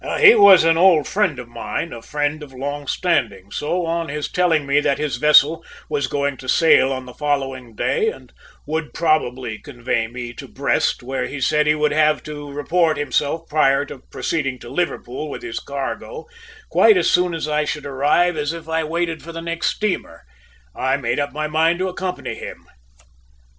He was an old friend of mine, a friend of long standing, so, on his telling me that his vessel was going to sail on the following day, and would probably convey me to Brest, where he said he would have to report himself prior to proceeding to Liverpool with his cargo, quite as soon as I should arrive if I waited for the next steamer, I made up my mind to accompany him."